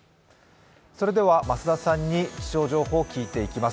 増田さんに気象情報を聞いていきます。